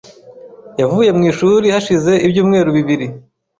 Yavuye mu ishuri hashize ibyumweru bibiri .